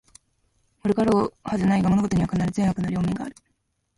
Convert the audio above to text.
悪かろうはずはないが、物事には必ず善悪の両面がある